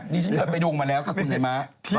ฉันเคยไปดูมาแล้วค่ะคุณไอ้ม้า